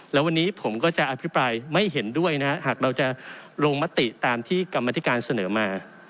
แล้ววันนี้ผมก็จะอภิปรายไม่เห็นด้วยนะฮะหากเราจะลงมติตามที่กรรมธิการเสนอมา